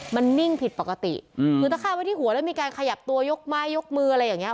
มันนิ่งผิดปกติคือถ้าฆ่าไว้ที่หัวแล้วมีการขยับตัวยกไม้ยกมืออะไรอย่างเงี้